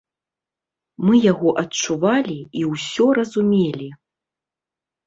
Мы яго адчувалі і ўсё разумелі.